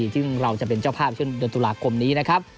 ซึ่งเราจะเป็นเจ้าภาพช่วงเดือนตุลาคมนี้นะครับ